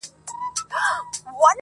ته مي يو ځلي گلي ياد ته راوړه.